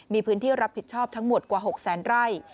มีพื้นที่รับผิดชอบทั้งหมดกว่า๖แสนไร่